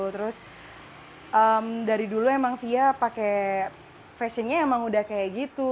terus dari dulu emang fia pakai fashionnya emang udah kayak gitu